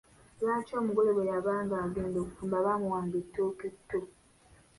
Lwaki omugole bwe yabanga agenda okufumba baamuwanga ettooke tto?